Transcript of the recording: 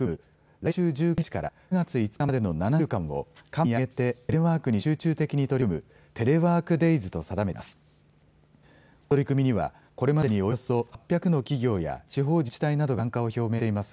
来週１９日から９月５日までの７週間を官民挙げてテレワークに集中的に取り組むテレワーク・デイズと定めています。